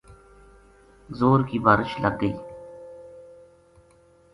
زور کی بارش لگ گئی